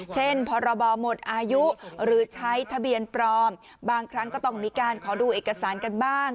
เช่นพรบหมดอายุหรือใช้ทะเบียนปลอมบางครั้งก็ต้องมีการขอดูเอกสารกันบ้าง